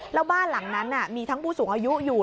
แล้วบ้านหลังนั้นมีทั้งผู้สูงอายุอยู่